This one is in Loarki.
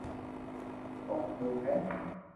او ھڪرو ھي